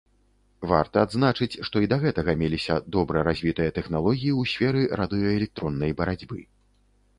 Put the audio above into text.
Варта адзначыць, што і да гэтага меліся добра развітыя тэхналогіі ў сферы радыёэлектроннай барацьбы.